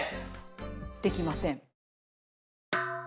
できません。